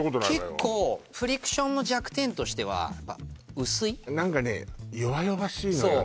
結構フリクションの弱点としてはやっぱ何かね弱々しいのよね